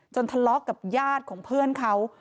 ทะเลาะกับญาติของเพื่อนเขา